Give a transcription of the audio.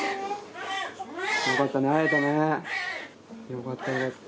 よかったよかった。